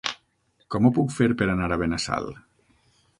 Com ho puc fer per anar a Benassal?